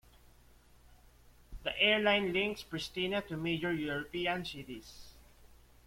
The airline links Pristina to major European cities.